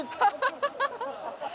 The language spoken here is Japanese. ハハハハ。